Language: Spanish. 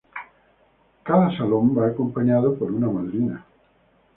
Cada salón va acompañado por una madrina.